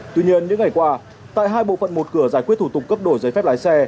tuy nhiên những ngày qua tại hai bộ phận một cửa giải quyết thủ tục cấp đổi giấy phép lái xe